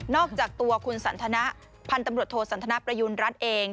อกจากตัวคุณสันทนะพันธุ์ตำรวจโทสันทนประยุณรัฐเอง